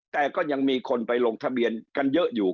แต่ก็ยังมีคนไปลงทะเบียนกันเยอะอยู่